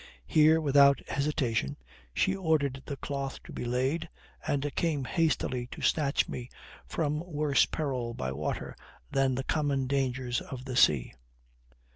Here, without hesitation, she ordered the cloth to be laid, and came hastily to snatch me from worse perils by water than the common dangers of the sea.